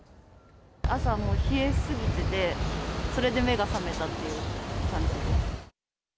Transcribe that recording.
朝、もう冷え過ぎてて、それで目が覚めたっていう感じです。